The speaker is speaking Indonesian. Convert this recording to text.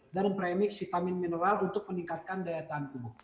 dan premix vitamin mineral untuk meningkatkan daya tahan tubuh